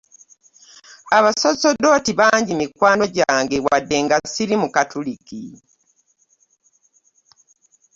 Abasoosodooti bangi mikwano gyange wadde ssiri mukatoliki.